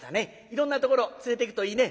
いろんなところ連れていくといいね」。